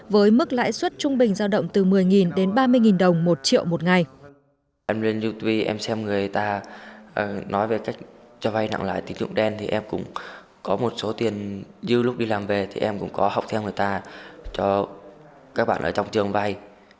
với mức lãi suất trung bình giao động từ một mươi đến ba mươi đồng một triệu một ngày